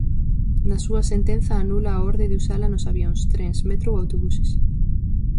Na súa sentenza anula a orde de usala nos avións, trens, metro ou autobuses.